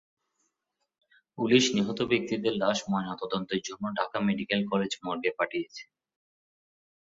Police নিহত ব্যক্তিদের লাশ ময়নাতদন্তের জন্য ঢাকা মেডিকেল কলেজ মর্গে পাঠিয়েছে।